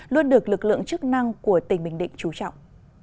luôn được lực lượng chức năng của tỉnh bình định trú trọng